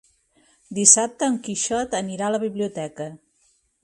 Dissabte en Quixot anirà a la biblioteca.